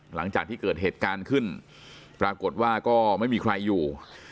หลังจากที่เกิดเหตุการณ์ขึ้นปรากฏว่าก็ไม่มีใครอยู่